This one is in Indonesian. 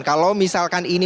kalau misalkan ini